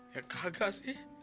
ya kagak sih